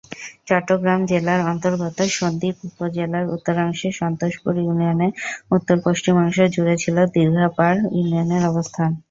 চট্টগ্রাম জেলার অন্তর্গত সন্দ্বীপ উপজেলার উত্তরাংশে সন্তোষপুর ইউনিয়নের উত্তর-পশ্চিমাংশ জুড়ে ছিল দীর্ঘাপাড় ইউনিয়নের অবস্থান।